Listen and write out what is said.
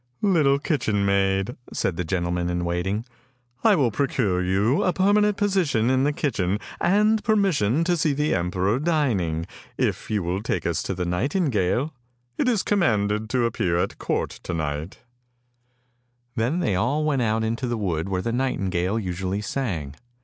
"" Little kitchen maid," said the gentleman in waiting, " I will procure you a permanent position in the kitchen and per mission to see the emperor dining, if you will take us to the nightingale. It is commanded to appear at court to night." Then they all went out into the wood where the nightingale usually sang.